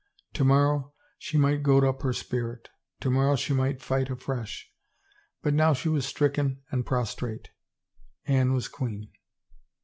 To morrow she might goad up her spirit, to morrow she might fight afresh, but now she was stricken and prostrate. Anne was queen.